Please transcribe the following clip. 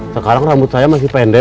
sekarang rambut saya masih pendek